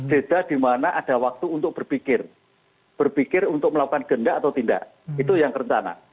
jeda di mana ada waktu untuk berpikir berpikir untuk melakukan gendak atau tidak itu yang rencana